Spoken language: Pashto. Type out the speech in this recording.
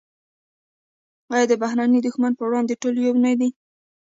آیا د بهرني دښمن پر وړاندې ټول یو نه دي؟